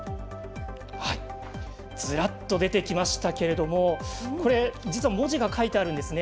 ずらっと出てきましたけれども実は文字が書いてあるんですね。